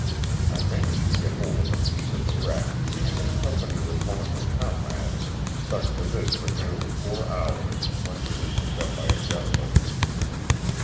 I managed to get hold of a piece of the wreck, and in company with one of my comrades stuck to this for nearly four hours, when we were picked up by a gunboat.